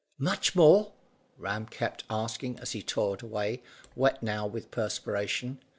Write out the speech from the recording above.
"Much more?" Ram kept asking as he toiled away, wet now with perspiration.